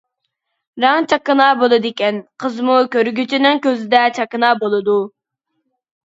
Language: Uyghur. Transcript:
رەڭ چاكىنا بولىدىكەن، قىزمۇ كۆرگۈچىنىڭ كۆزىدە چاكىنا بولىدۇ.